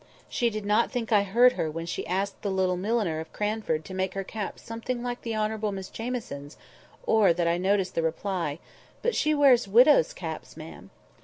She did not think I heard her when she asked the little milliner of Cranford to make her caps something like the Honourable Mrs Jamieson's, or that I noticed the reply— "But she wears widows' caps, ma'am?"